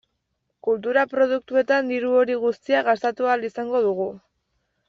Kultura produktuetan diru hori guztia gastatu ahal izango dugu.